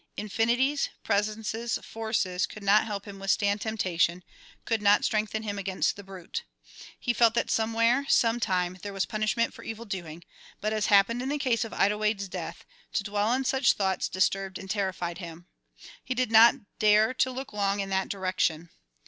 Infinities, Presences, Forces, could not help him withstand temptation, could not strengthen him against the brute. He felt that somewhere, some time, there was punishment for evildoing, but, as happened in the case of Ida Wade's death, to dwell on such thoughts disturbed and terrified him. He did not dare to look long in that direction.